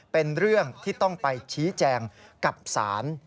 เป็นเรื่องที่ต้องไปชี้แจงกับศาล